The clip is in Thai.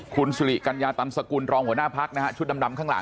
คุณสุริกัญญาตันสกุลรองหัวหน้าพักนะฮะชุดดำข้างหลัง